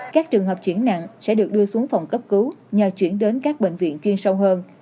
các trường hợp chuyển nặng sẽ được đưa xuống phòng cấp cứu nhờ chuyển đến các bệnh viện chuyên sâu hơn